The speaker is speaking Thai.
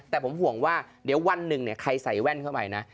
แต่ผมห่วงว่าเดี๋ยววันหนึ่งใครใส่แว่นเข้าไปนะ